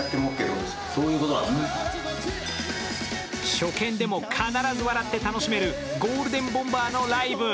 初見でも必ず笑って楽しめるゴールデンボンバーのライブ。